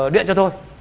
điện cho tôi